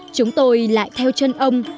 chúng tôi lại theo chân ông